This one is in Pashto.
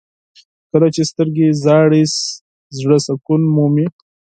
• کله چې سترګې ژاړي، زړه سکون مومي.